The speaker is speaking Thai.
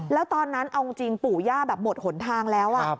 แล้วตอนนั้นเอาจริงปู่ย่าแบบหมดหนทางแล้ว